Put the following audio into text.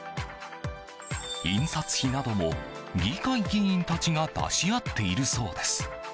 印刷費なども、議会議員たちが出し合っているそうです。